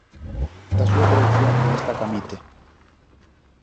Da súa produción destaca Mite.